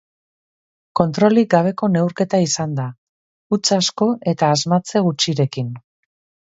Kontrolik gabeko neurketa izan da, huts asko eta asmatze gutxirekin.